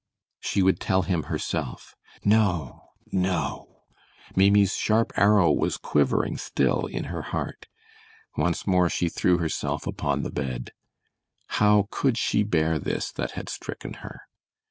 She would tell him herself. No! No! Maimie's sharp arrow was quivering still in her heart. Once more she threw herself upon the bed. How could she bear this that had stricken her?